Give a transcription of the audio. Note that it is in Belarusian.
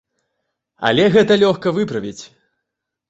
Але гэта лёгка выправіць.